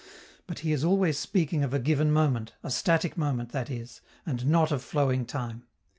But he is always speaking of a given moment a static moment, that is and not of flowing time.